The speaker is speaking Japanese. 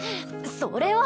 それは。